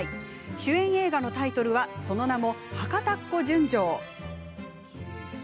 主演映画のタイトルはその名も「博多っ子純情」。